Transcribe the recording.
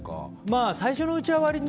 最初のうちは割と。